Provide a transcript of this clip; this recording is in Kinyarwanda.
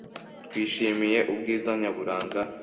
Twishimiye ubwiza nyaburanga.